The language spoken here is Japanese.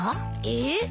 えっ？